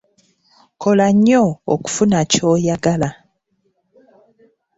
Kola nnyo okufuna ky'oyagala.